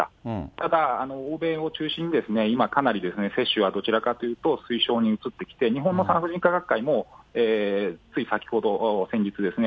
ただ、欧米を中心に、今、かなり接種はどちらかというと、推奨に移ってきて、日本の産婦人科学会も、つい先ほど、先日ですね、